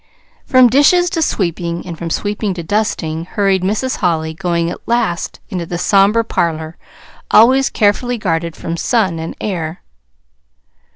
From dishes to sweeping, and from sweeping to dusting, hurried Mrs. Holly, going at last into the somber parlor, always carefully guarded from sun and air.